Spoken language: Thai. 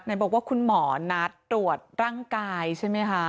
บอกว่าคุณหมอนัดตรวจร่างกายใช่ไหมคะ